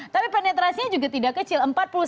tapi penetrasinya juga tidak kecil